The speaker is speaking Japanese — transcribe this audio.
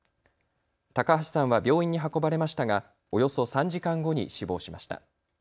高橋さんは病院に運ばれましたがおよそ３時間後に死亡しました。